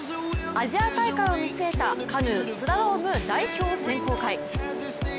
アジア大会を見据えたカヌー・スラローム代表選考会。